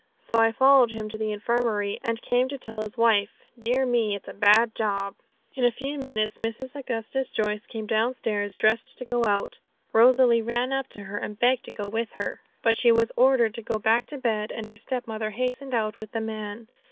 So I followed him to the infirmary, and came to tell his wife. Dear me! it's a bad job, it is.' In a few minutes Mrs. Augustus Joyce came downstairs dressed to go out. Rosalie ran up to her and begged to go with her, but she was ordered to go back to bed, and her stepmother hastened out with the man.